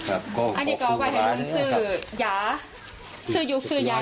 อันนี้ก็เอาไปให้ลุงซืออย่า